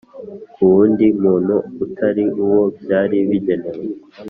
ku wundi muntu utari uwo byari bigenewe